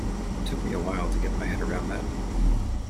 It took me a while to get my head around that.